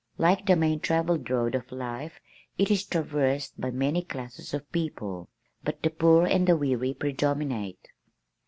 Like the main travelled road of life it is traversed by many classes of people, but the poor and the weary predominate."